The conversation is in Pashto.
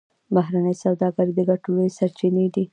بهرنۍ سوداګري د ګټو لویې سرچینې دي